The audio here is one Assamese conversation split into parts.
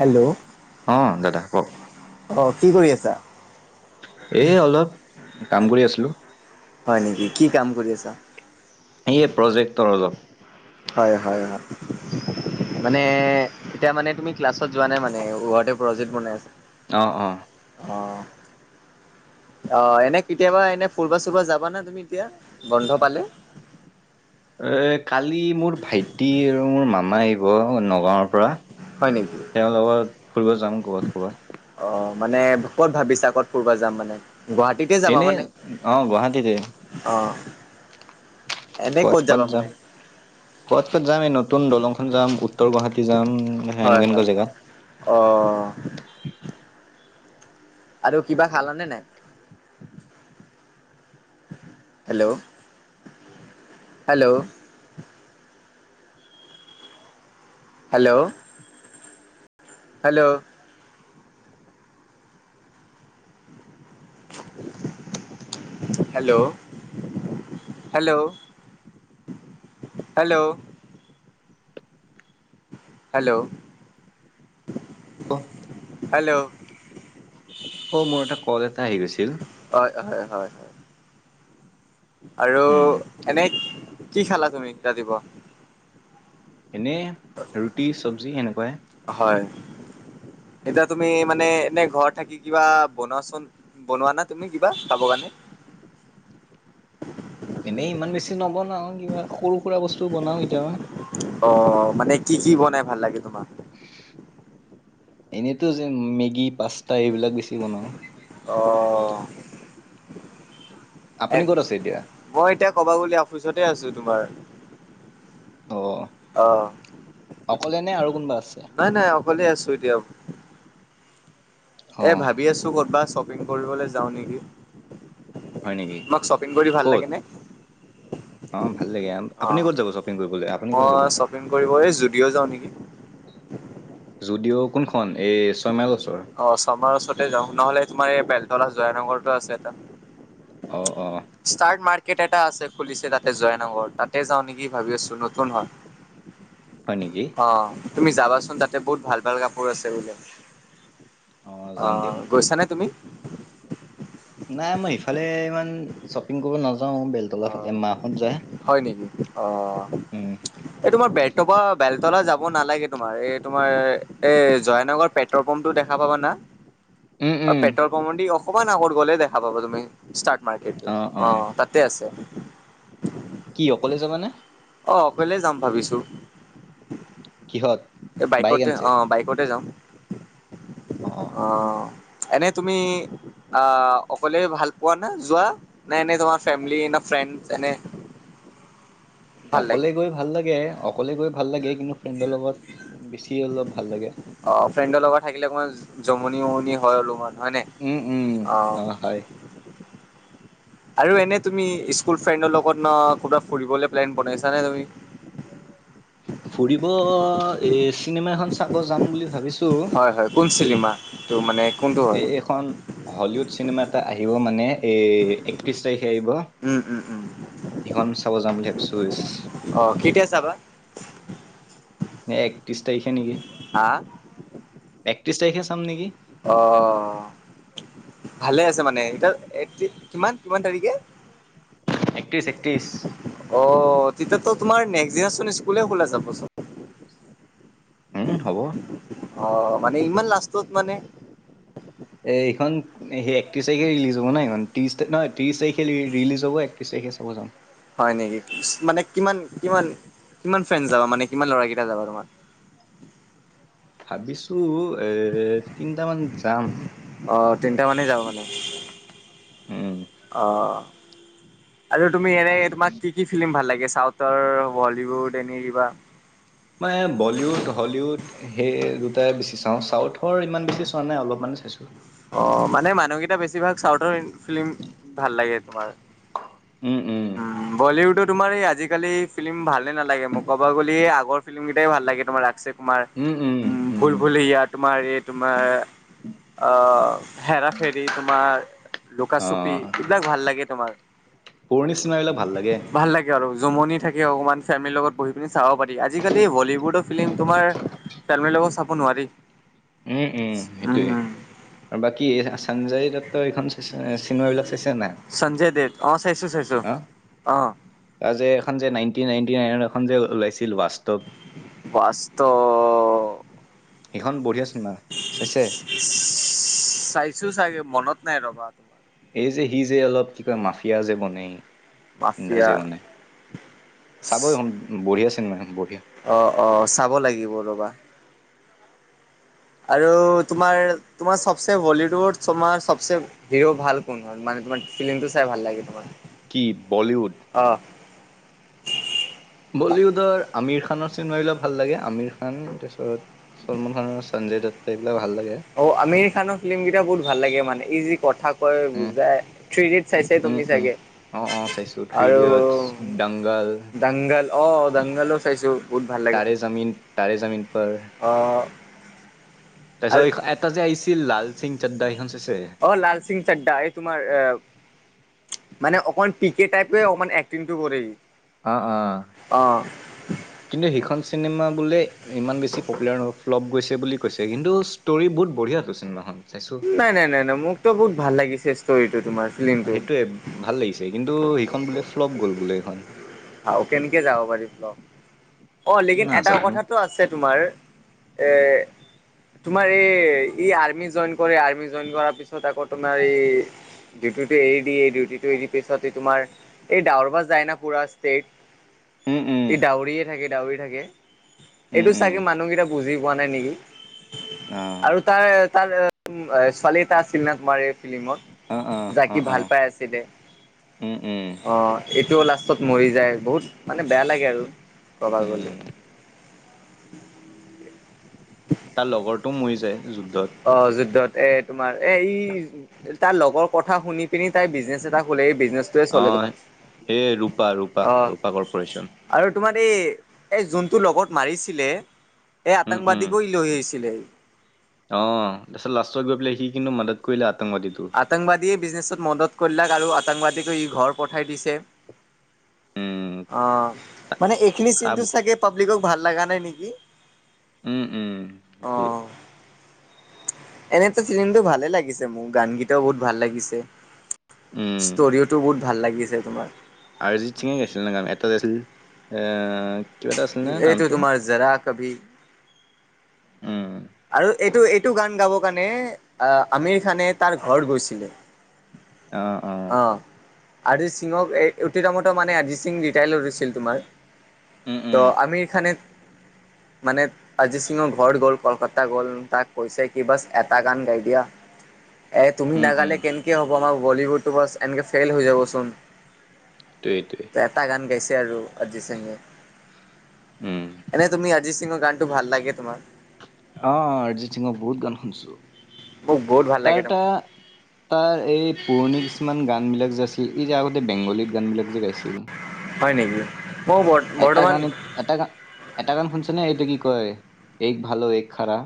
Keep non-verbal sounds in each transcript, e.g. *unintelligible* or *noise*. হেল্ল'। অ, দাদা কওক অ, কি কৰি আছা? এই অলপ কাম কৰি আছিলোঁ। হয় নেকি কি কাম কৰি আছা? সেয়ে প্ৰজেক্টৰ অলপ হয় হয় হয় মানে এতিয়া মানে তুমি ক্লাছত যোৱা নাই মানে ঘৰতে প্ৰজেক্ট বনাই আছা অ অ অঁহ। অ এনে কেতিয়াবা এনে ফুৰবা চুৰবা যাবানা তুমি এতিয়া বন্ধ পালে। এ কালি মোৰ ভাইটি আৰু মোৰ মামা আহিব নগাঁৱৰ পৰা। হয় নেকি? তেওঁৰ লগত ফুৰিব যাম ক'ৰবাত ক'ৰবাত। অ মানে ক'ত ভাবিছা ক'ত ফুৰব যাম মানে। গুৱাহাটীতে- যাবা এনেই মানে? অ গুৱাহাটীতে। অ এনেই কবাত ক'ত কবাত যাবা মানে যাম কবাত কবাত যাম এই নতুন দলংখন যাম উত্তৰ গুৱাহাটী যাম মানে হয় এনেকোৱা হয় এনেকোৱা জেগা অ আৰু কিবা খালানে নাই hello hello hello hello *inaudible* hello hello hello hello অ হেল্ল' অ মোৰ এটা কল এটা আহি গৈছিল। হয় হয় হয় হয় আৰু এনে কি খালা তুমি ৰাতিপুৱা এনেই ৰুটি চবজি সেনেকোৱাই- হয় এতিয়া তুমি মানে এনে ঘৰত থাকি কিবা বনোৱাচোন বনোৱানে নাই তুমি কিবা খাব কাৰণে এনেই ইমান বেছি নবনাও কিবা সৰু সুৰা বস্তু বনাও কেতিয়াবা অ মানে কি কি বনাই ভাল লাগে তোমাক এনেইতো যে মেগী পাস্তা এইবিলাক বেছি বনাও। অ' এ আপুনি ক'ত আছে এতিয়া? মই এতিয়া কবা গ লে অফিচতে আছো তোমাৰ অ' অহ অকলে নে আৰু কোনোবা আছে? নাই নাই অ অকলে আছো এতিয়াও এই অ' ভাবি আছো ক'ৰবাত শ্বপিং কৰিবলৈ যাওঁ নেকি। হয় নেকি? তোমাক শ্বপিং কৰি ভাল লাগে নে উ অ ভাল লাগে অ আপুনি ক'ত যাব শ্বপিং কৰিবলৈ আপুনি ক'ত যাব মই শ্বপিং কৰিব এই জুডিঅ' যাওঁ নেকি? যদিও' কোনখন এই ছয়মাইল ওচৰত অ শৰ্মাৰ ওচৰতে যাওঁ নহ'লে তোমাৰ এই বেলতলা জয়ানগৰতো আছে এটা অ অ ষ্টাৰ্ট মাৰ্কেট এটা আছে খুলিছে তাতে জয়নগৰ তাতে যাওঁ নেকি ভাবি আছো নতুন হয়। হয় নেকি অ তুমি যাবাচোন তাতে বহুত ভাল ভাল কাপোৰ আছে বোলে। অ যাম দিয়ক। গৈছানে তুমি নাই মই ইফালে ইমান শ্বপিং কৰিব নাযাও বেলেগ অ হয় নেকি অ? উম, এই তোমাৰ বেলতলা বেলতলা যাব নালাগে তোমাৰ এই তোমাৰ এ জয়নগৰ পেট- তৰপমটো দেখা পাবা না? উম উম পেটৰ পমেদি অকমান আগত গ'লে দেখা পাব তুমি ষ্টাৰ্ট মাৰ্কেটতো অ তাতে আছে। কি অকলে যাবানে। অ অকলে যাম ভাবিছো। কিহত এই বাইক বাইকতে আনিছে? অ বাইকতে যাওঁ। অ অ অ এনেই তুমি আহ অকলে ভাল পোৱা নে যোৱা নে এনে তোমাৰ ফেমলি ফ্ৰেণ্ডচ এনে, *inaudible* ভাল লাগে অকলে গৈ ভাল লাগে অকলে গৈ ভাল লাগে কিন্তু ফ্ৰেণ্ডৰ লগত বেছি অলপ ভাল লাগে। অ ফ্ৰেণ্ডৰ লগত থাকিলে অকণমান জমনি উমনি হয় অলপমান হয় নাই। উম উম অ হয়। আৰু এনে তুমি স্কুল ফ্ৰেণ্ডৰ লগত ন ক'ৰবাত ফুৰিবলৈ প্লেন বনাইছা নে তুমি? ফুৰিব এই চিনেমা এখন চাব যাম বুলি ভাবিছোঁ। হয় হয় কোন চিনেমা? তোৰ মানে কোনটো? এই এখন হলিউড চিনেমা এটা আহিব মানে এই একত্ৰিশ তাৰিখে আহিব। উম, উম, উম, সিখন চাব যাম বুলি ভাবিছোঁ। অ কেতিয়া চাবা? ন একত্ৰিছ তাৰিখে নেকি, হা একত্ৰিছ তাৰিখে চাম নেকি? অ ভালে আছে মানে এতিয়া কিমান কিমান তাৰিখে? একত্ৰিছ একত্ৰিছ অ তেতিয়াতো তোমাৰ নেক্স দিনাচোন স্কুলে খোলা যাবচোন। উম হ'ব। অ মানে ইমান লাষ্টত মানে, এই খন সেই একত্ৰিছ তাৰিখে ৰিলজ হ'ব ন সেইখন ত্ৰিছ নহয় ত্ৰিছ তাৰিখে ৰিলিজ হব একত্ৰিশ তাৰিখে চাব যাম। হয় নেকি মানে কিমান কিমান কিমান ফ্ৰেণ্ড যাবা মানে কিমান ল'ৰা কেইটা যাবা তোমাৰ? ভাবিছোঁ এ তিনিটামান যাম অঁ তিনিটা মানে যাবা উম অ আৰু তুমি এনে তোমাক কি কি ফিল্ম ভাল লাগে চাউথৰ, হলীউড এনেই কিবা মানে বলীউড, হলিউড সেই দুটাই বেছি চাওঁ চাউথৰ ইমান বেছি চোৱা নাই অলপমানে চাইছোঁ। অ মানে মানুহকেইটা বেছিভাগ চাউথৰ ফিল্ম ভাল লাগে তোমাৰ। উম উম। বলিউডো তোমাৰ এই আজিকালি ফিল্ম ভালে নালাগে মোকবা গলিয়ে আগৰ ফিল্মকেইটাই ভাল লাগে তোমাৰ আক্ষেপ তোমাৰ উম উম উ ভুল উম ভুলেয়া তোমাৰ এই তোমাৰ অ হেৰা ফেৰি তোমাৰ অ লুকাচুপি এইবিলাক ভাল লাগে তোমাৰ। পুৰণি চিনেমাবিলাক ভাল লাগে। ভাল লাগে আৰু জুমনি থাকে অকণমান ফেমিলিৰ লগত বহি পিনি চাব পাৰি আজিকালি হলীউডৰ ফিল্ম তোমাৰ ফেমলি লগত চাব নোৱাৰি। উম উম উম সেইটোয়ে আৰু বাকী চঞ্জয় দত্তৰ এইখন চিনেমাবিলাক চাইছে নাই? সঞ্জয় দেৱ অ চাইছো চাইছো অ অ। তাৰ যে এখন যে নাইনটিন নাইনটি নাইন এখন যে ওলাইছিল বাস্তৱ বাস্তৱ সেইখন বঢ়িয়া চিনেমা চাইছে। চাইছো চাগে মনত নাই ৰবা। এই যে সি যে অলপ কি কয় মাফিয়া যে বনে, মাফিয়া যে বনে চাবচোন বঢ়িয়া চিনেমা বঢ়িয়া। অ অ চাব লাগিব ৰ'বা। আৰু তোমাৰ তোমাৰ চবচে বলিউডৰ তোমাৰ চবচে হিৰো ভাল কোন হয়? মানে তোমাৰ ফিলিমটো চাই ভাল লাগে তোমাৰ। কি বলিউড অ অ। বলিউডৰ আমিৰ খানৰ চিনেমাবিলাক ভাল লাগে আমিৰ খান তাৰপিছত চলমান খান আৰু সঞ্জয় দত্ত এইবিলাক ভাল লাগে। অ' আমিৰ খানৰ ফিল্ম কেইটা বহুত ভাল লাগে মানে ই যি কথা কয় উম বুজাই থ্ৰী ইডিয়েটছ চাইছাই উম তুমি উম চাগে অ আৰু বাৰু দাংগাল অ' দাংগালো চাইছো। বহুত ভাল লাগে তাৰে জমিন, তাৰে জমিন পৰ। অ'। তাৰপিছত আৰু এইখন এটা যে আহিছিল লাল সিং চাদ্দা এইখন চাইছে। অ' লাল সিং চাড্ডা এই তোমাৰ আহ মানে অকণমান পি কে টাইপে অকণমান একটিঙটো কৰে। অ'-অ' অ' কিন্তু এইখন চিনেমা বোলে ইমান বেছি পপুলাৰ নহয় ফ্লপ গৈছে বুলি কৈছে কিন্তু ষ্টৰি বহুত বঢ়িয়াটো চিনেমাখনৰ। নাই-নাই-নাই-নাই মোক তো বহুত ভাল লাগিছে ষ্টৰিটো তোমাৰ। ফিল্মটো সেইটোৱে ভাল লাগিছে কিন্তু এইখন বোলে ফ্লপ গ'ল বোলে এইখন। অহ কেনেকে যাব পাৰিল ক অ' লেকিন এটা কথাটো আছে তোমাৰ এ তোমাৰ এই ই আৰ্মি জইন কৰে আৰ্মি জইন কৰাৰ পিছত আকৌ তোমাৰ এই ডিউটিটো এৰি দিয়ে, এই ডিউটিটো এৰি পিছত এই তোমাৰ এই দাউৰবা যায় না পুৰা যে ই দাউৰিয়ে থাকে, দাউৰিয়ে থাকে। এইটো চাগে মানুহকেইটা বুজি পোৱা নাই নেকি? অ', আৰু তাৰ, তাৰ ছোৱালী এটা আছিল নে তোমাৰ এই অ', ফিল্মত। অ', যাক অ', সি ভাল অ', পাই আছিলে উম, উম, অ' এইটোও লাষ্টত মৰি যায় বহুত মানে বেয়া লাগে আৰু ক'বা গ'লে। উম, *unintelligible* তাৰ লগৰটোও মৰি যায় যুদ্ধত। অ' যুদ্ধত এ তোমাৰ এই তাৰ লগৰ কথা শুনি পিনি তাই বিজনেছ এটা খোলে এই বিজনেছ অ' সেয়ে ৰূপা, ৰূপা- অ', ৰূপা কৰ্পৰেচন। আৰু তোমাৰ এই এই যোনটো লগত মাৰিছিলে এই উম, উম, আতংবাদীকো লৈ আহি ছিলে। অ' তাৰপিছত লাষ্টত গৈ পেলাই সি কিন্তু মদত কৰিলে আতংকবাদী টোক। আতংবাদীয়ে বিজনেছত মদত কৰিলাক আৰু আতংবাদীকে ই ঘৰ পঠাই দিছে। উম, অ' তা- মানে এইখিনি তাৰ চিনটো ব- চাগে পাব্লিকক ভাল লগা নাই নেকি? উম-উম সেইটোৱে এনেটা ফিল্মটো ভালে লাগিছে মোৰ। গানকেইটাও বহুত ভাল লাগিছে, উম, ষ্টৰিওটো বহুত ভাল লাগিছে তোমাৰ। অৰজিত সিঙে গাইছিলে গান এটা আছিল এ কিবা এটা আছিলে নহয় এইটো নামটো। তোমাৰ জৰা কভি। উম আৰু এইটো এইটো গান গাব কাৰণে আহ আমিৰ খানে তাৰ ঘৰ গৈছিলে অ', অ', আহ অৰিজিত সিংক এই উতিৰামতো মানে অৰিজিত সিং ৰিটায়াৰ হৈছিল তোমাৰ উম, ত' উম, আমিৰ খানে মানে অজিত সিঙৰ ঘৰত গ'ল কলকাতা। এটা গ'ল তাক কৈছে কি বাছ এটা গান গাই দিয়া এ তুমি উম, উম, নাগালে কেনেকে হ'ব আমাৰ বলিউডটো বাছ এনেকে ফেইল হৈ যাব চোন। সেইটোৱেই সেটোৱেই। এটা গান গাইছে আৰু অৰিজিত সিঙে উম। এনে তুমি অৰিজিত সিঙৰ গান টো ভাল লাগে তোমাৰ। অ' অৰিজিত সিঙক বহুত গান শুনিছো। মোক বহুত ভাল লাগে তোমাক। *unintelligible* তাৰ এই পুৰণি কিছুমান গান বিলাক যে আছিল এই যে আগতে বেংগলীত গান বিলাক যে গাইছিল হয় নেকি? মই এটা বৰ্তমান গান এটা গান এটা গান শুনছে ন এইটো কি কয়, এক ভাল এক খাৰা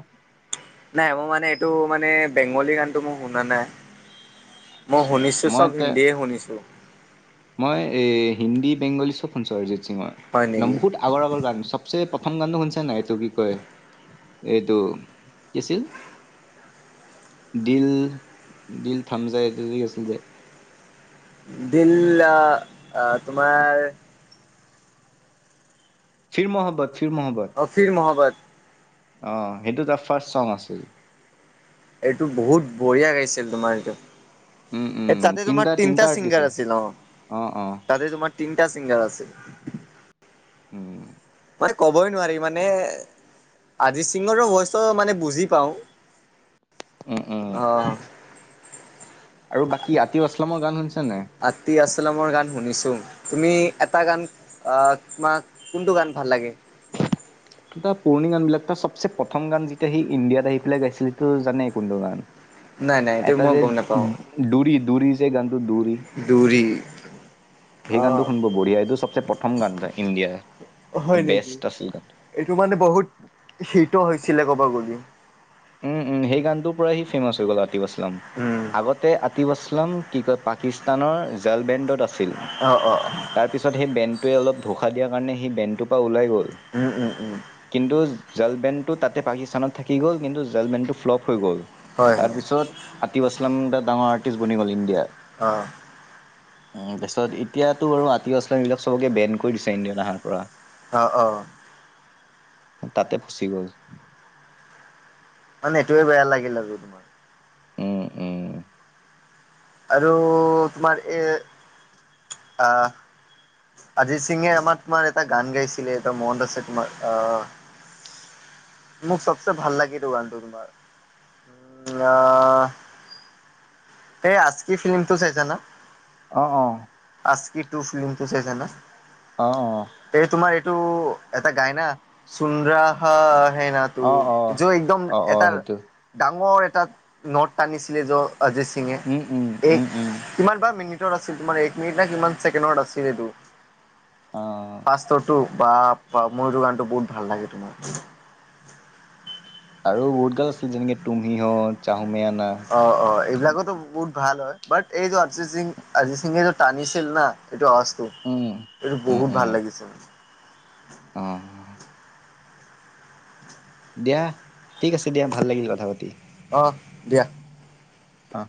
নাই মোৰ মানে এইটো মানে বেংগলী গানটো মোৰ শুনা নাই মই আচ্ছা শুনিছো মই চব এ হিন্দীয়ে শুনিছো মই এই হিন্দী বেংগলী চব শুনছো অৰিজিত হয় সিঙৰ নেকি? বহুত আগৰ আগৰ গান চবচে প্ৰথম গানটো শুনিছে নাই এইটো কি কয়? এইটো কি আছিল? ডিল ডিল থাম্জাৰি এইটো কি আছিল যে, দিল আ, অ তোমাৰ ফিৰ মহাবত ফিৰ মহাবত অ ফীৰ মহাবত অ সেইটো তাৰ ফাৰ্ষ্ট চং আছিল এইটো বহুত বঢ়িয়া গাইছিল তোমাৰ এইটো উম, উম, এ তাতে তোমাৰ তিনটা আৰ্টিষ্ট চিংগাৰ আছে। আছিল অ অ', অ', তাতে তোমাৰ তিনিটা ছিংগাৰ আছিল উম মানে কবই নোৱাৰি মানে আজিত সিঙৰো ভইচটো মানে বুজি পাওঁ উম উম অ আৰু বাকী আতিফ আছলামৰ গান শুনিছা নে আতি আছলামৰ গান শুনিছো তুমি এটা গান অ তোমাক কোনটো গান ভাল লাগে? তাৰ পুৰণি গান বিলাক টা চবচে প্ৰথম গান যেতিয়া সি ইণ্ডিয়াত আহি পেলাই গাইছিলেটো জানেই কোনটো গান নাই নাই এইটো এটা মই যে গম নাপাওঁ দোৰি দোৰি যে গানটো দোৰী দৌৰি সেই অ গানটো শুনিব বঢ়িয়া এইটো চবচে প্ৰথম গান এটা ইণ্ডিয়া হয় নেকি এইটো মানে বহুত শীত হৈছিলে কব গলি উম উম সেই গানটোৰ পৰাই সি ফেমাচ হৈ গ'ল আতিফ আছলাম উম আগত আতিব আছলাম কি কয় পাকিস্তানৰ জালবেণ্ডত আছিল অ অ অ তাৰপিছত সেই বেণ্টোৱ অলপ ধোষা দিয়াৰ কাৰণে সেই বেণ্ডটো পৰা ওলাই গ'ল উম উম উম কিন্তু জালবেনটো তাতে পাকিস্তানত থাকি গ'ল কিন্তু জালবেনটো ফ্লপ হৈ গ'ল হয় তাৰ হয় পিছত আতিফ আছলাম দা ডাঙৰ আৰ্টিষ্ট বনি গ'ল ইণ্ডিয়াৰ অ *inaudible* *unintelligible* উ তাৰপিছত এতিয়াতো আৰু আতীব আচলাম এইবিলাক চবকে বেন কৰি দিছে ইণ্ডিয়াত আহাৰ পৰা অ অ তাতে ফচি গ'ল। মানে এইটোয়ে বেয়া লাগিলে আৰু তোমাৰ। উম উম, আৰু তোমাৰ এ, আ অজিত সিঙে আমাৰ তোমাৰ এটা গান গাইছিলে এটা মোহন দাসে তোমাৰ আহ মোক চবচে ভাল লাগে এতো গানটো তোমাৰ উ আহ সেই আজকি ফিল্মটো চাইছা না অ অ, আজকি টো ফিল্মিটোচাইছা না। অ অ, এই তোমাৰ এইটো এটা গায় না চুন্দ্ৰা হা হেনা। ত অ', অ'। য একদম অ', অ', এটাৰ সেইটো ডাঙৰ এটা নট টানিছিলে য সিঙে উম উম, এক উম, উম। কিমান বা মিনিটত আছিল তোমাৰ এক মিনিট নে কিমান ছেকেণ্ডত আছিল এইটো। অ, পাটো বা ময়টো গানতটো বহুত ভাল লাগে তোমাৰ। আৰু বহুত গান আছিল যেনেকে তুমিহত, চাহুমেনা। অ অ এইবিলাকোতো বহুত ভাল হয়। বাট এইটো অৰিজিত সিং অৰিজিত সিংহে যে টানিছিল না এইটো অ, উম। এইটো উম, বহুত উম, ভাল লাগিছিল। অ, দিয়া ঠিক আছে দিয়া ভাল লাগিল কথা পাতি। অ দিয়া। অ,